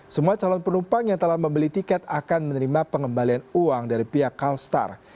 semua calon penumpang yang telah membeli tiket akan menerima pengembalian uang dari pihak calstar